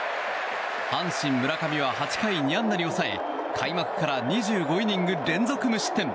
阪神、村上は８回２安打に抑え開幕から２５イニング連続無失点。